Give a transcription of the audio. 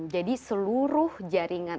jadi seluruh jaringan